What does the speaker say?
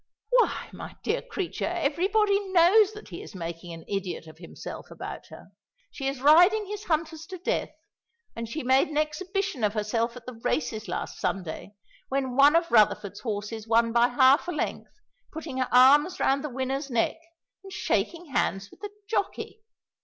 "Why, my dear creature, everybody knows that he is making an idiot of himself about her. She is riding his hunters to death; and she made an exhibition of herself at the races last Sunday when one of Rutherford's horses won by half a length, putting her arms round the winner's neck and shaking hands with the jockey.